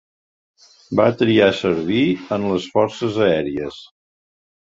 Va triar servir en les Forces Aèries.